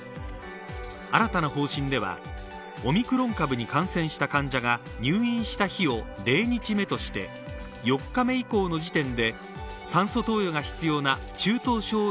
新たな方針ではオミクロン株に感染した患者が入院した日を０日目として４回目以降の時点で酸素投与が必要な中等症